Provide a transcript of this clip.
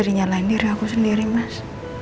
jadi nyalahin diri aku sendiri mas